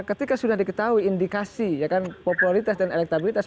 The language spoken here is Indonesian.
ketika sudah diketahui indikasi ya kan popularitas dan elektabilitas